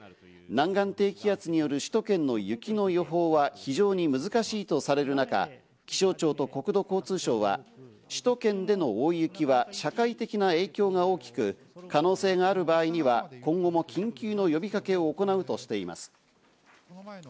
南岸低気圧による首都圏の雪の予報は非常に難しいとされる中、気象庁と国土交通省は首都圏での大雪は社会的な影響が大きく、可能性がある場合には今後も緊急の呼びかけを行うとしています。